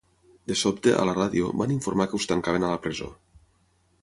De sobte, a la ràdio, van informar que us tancaven a la presó.